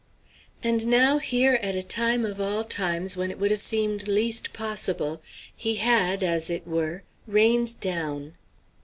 And now, here at a time of all times when it would have seemed least possible, he had, as it were, rained down.